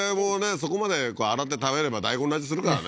そこまで洗って食べれば大根の味するからね